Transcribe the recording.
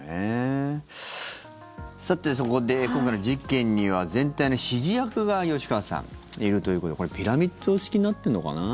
さて、そこで今回の事件には全体の指示役が、吉川さんいるということでピラミッド式になってんのかな？